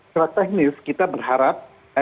secara teknis kita berharap